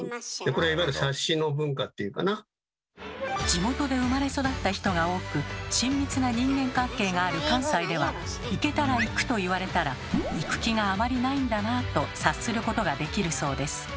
地元で生まれ育った人が多く親密な人間関係がある関西では「行けたら行く」と言われたら行く気があまりないんだなあと察することができるそうです。